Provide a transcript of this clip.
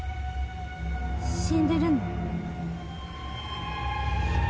死んでるの。